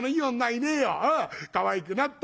かわいくなった。